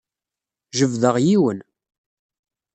Jebdeɣ yiwen.